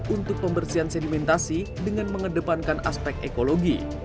untuk pembersihan sedimentasi dengan mengedepankan aspek ekologi